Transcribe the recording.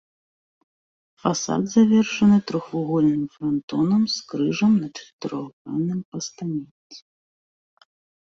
Фасад завершаны трохвугольным франтонам з крыжам на чатырохгранным пастаменце.